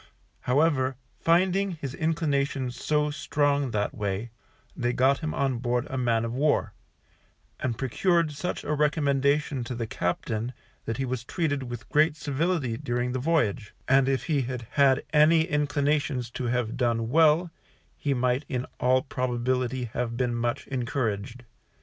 However, finding this inclinations so strong that way, they got him on board a man of war, and procured such a recommendation to the captain that he was treated with great civility during the voyage, and if he had had any inclinations to have done well, he might in all probability have been much encouraged.